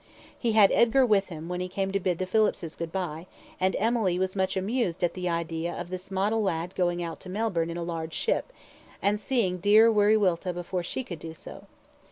He had Edgar with him when he came to bid the Phillipses goodbye, and Emily was much amused at the idea of this model lad going out to Melbourne in a large ship, and seeing dear Wiriwilta before she could do so.